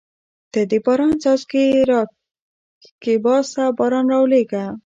ته د باران څاڅکي را کښېباسه باران راولېږه.